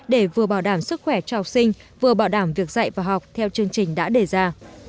để vừa bảo đảm sức khỏe cho học sinh vừa bảo đảm việc dạy và học theo chương trình đã đề ra